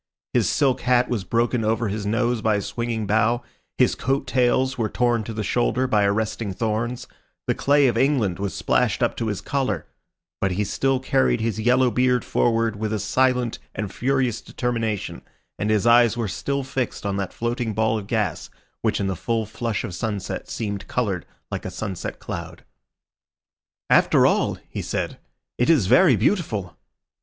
His silk hat was broken over his nose by a swinging bough, his coat tails were torn to the shoulder by arresting thorns, the clay of England was splashed up to his collar; but he still carried his yellow beard forward with a silent and furious determination, and his eyes were still fixed on that floating ball of gas, which in the full flush of sunset seemed coloured like a sunset cloud. "After all," he said, "it is very beautiful!"